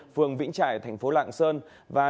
phường vĩnh trải tp hcm và trung tâm đăng kiểm